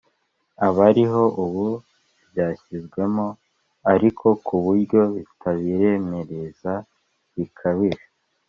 abariho ubu byashyizwemo ariko ku buryo bitabiremereza bikabije